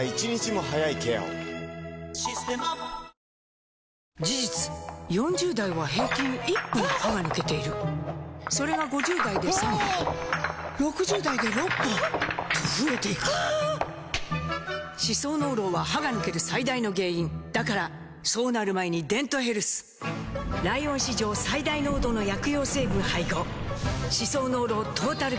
「システマ」事実４０代は平均１本歯が抜けているそれが５０代で３本６０代で６本と増えていく歯槽膿漏は歯が抜ける最大の原因だからそうなる前に「デントヘルス」ライオン史上最大濃度の薬用成分配合歯槽膿漏トータルケア！